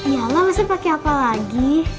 iya lah maksudnya pakai apa lagi